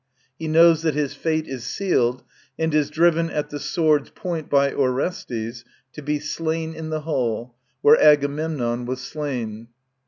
He knows that his fate is sealed, and is driven at the sword's point by Orestes to be slain in the hall where Agamemnon was slain.